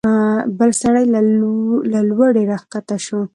بل سړی له لوړې راکښته شو.